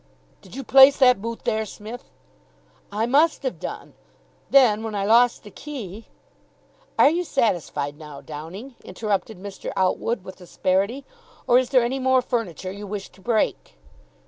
"Did you place that boot there, Smith?" "I must have done. Then, when I lost the key " "Are you satisfied now, Downing?" interrupted Mr. Outwood with asperity, "or is there any more furniture you wish to break?"